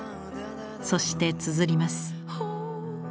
そしてつづります。